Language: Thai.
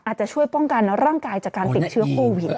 อาจจะช่วยป้องกันร่างกายจากการติดเชื้อโควิด